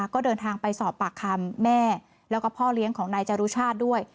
ก็เดินทางไปสอบปากคำแม่แล้วก็พ่อเลี้ยงของนายจรุชาติด้วย